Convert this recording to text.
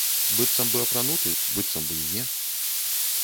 Быццам бы апрануты, быццам бы і не.